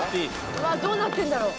うわどうなってんだろう。